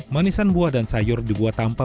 manisan buah dan sayur dibuat tanpa